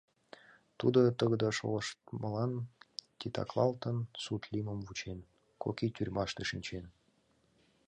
Тудо тыгыде шолыштмылан титаклалтын, суд лиймым вучен, кок ий тюрьмаште шинчен.